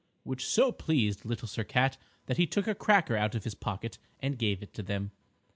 _" which so pleased Little Sir Cat that he took a cracker out of his pocket and gave it to them.